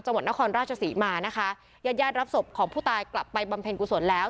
จังหวัดนครราชศรีมานะคะญาติญาติรับศพของผู้ตายกลับไปบำเพ็ญกุศลแล้ว